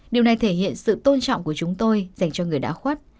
điều này thể hiện sự tôn trọng của chúng tôi dành cho người đã khuất